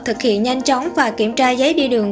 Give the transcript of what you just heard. thực hiện nhanh chóng và kiểm tra giấy đi đường